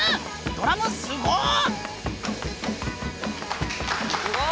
ドラムすごっ！